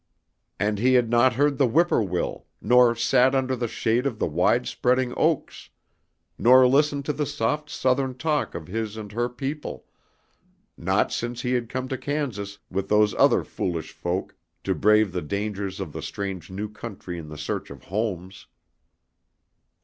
And he had not heard the whip poor will, nor sat under the shade of the wide spreading oaks, nor listened to the soft Southern talk of his and her people, not since he had come to Kansas with those other foolish folk to brave the dangers of the strange new country in the search of homes.